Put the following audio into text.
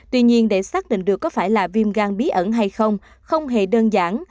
tuy nhiên để xác định được có phải là viêm gan bí ẩn hay không không hề đơn giản